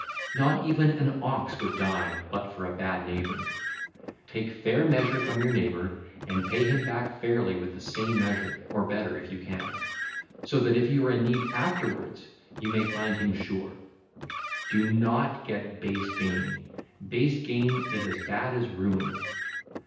Not even an ox would die but for a bad neighbour. Take fair measure from your neighbour and pay him back fairly with the same measure, or better, if you can; so that if you are in need afterwards, you may find him sure. (ll. 352 369) Do not get base gain: base gain is as bad as ruin.